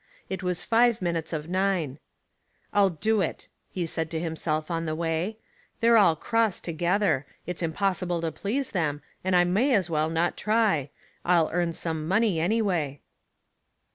It was five minutes of nine. " I'll do it !" he said to himself on the way. " They're all cross together ; it's impossible to please them, and I may as well not try. I'll earn some money anyway."